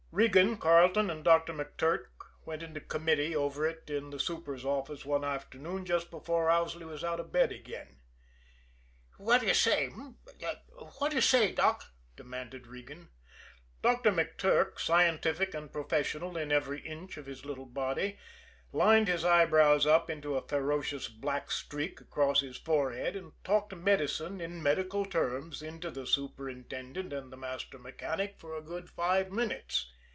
Regan, Carleton and Doctor McTurk went into committee over it in the super's office one afternoon just before Owsley was out of bed again. "What d'ye say h'm? What d'ye say, doc?" demanded Regan. Doctor McTurk, scientific and professional in every inch of his little body, lined his eyebrows up into a ferocious black streak across his forehead, and talked medicine in medical terms into the superintendent and the master mechanic for a good five minutes.